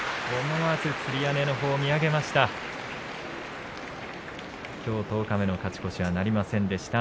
思わずつり屋根のほうを見上げました。